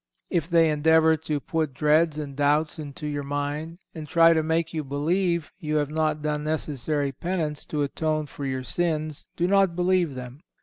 If they endeavour to put dreads and doubts into your mind, and try to make you believe you have not done necessary penance to atone for your sins, do not believe them.